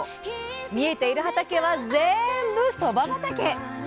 見えている畑はぜんぶそば畑。